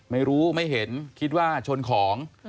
ไม่รู้ไม่เห็นคิดว่าชนของ